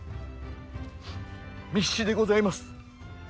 密旨でございます。